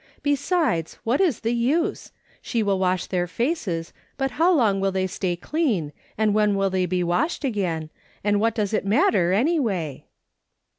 Besides, what is the use ? She will wash their faces, but how long will they stay clean, and when will they be washed again, and what does it matter, anyway